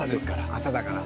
朝だから。